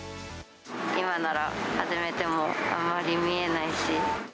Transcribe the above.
今なら始めてもあんまり見えないし。